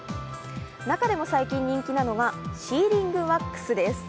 中でも、最近人気なのがシーリングワックスです。